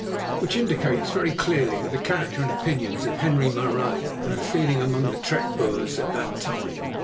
_" Which indicates very clearly the character and the opinions of Henri Marais, and the feeling among the trek Boers at that time.